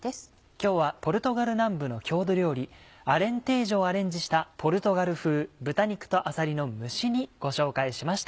今日はポルトガル南部の郷土料理アレンテージョをアレンジした「ポルトガル風豚肉とあさりの蒸し煮」ご紹介しました。